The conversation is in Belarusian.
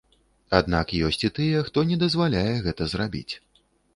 Аднак, ёсць і тыя, хто не дазваляе гэта зрабіць.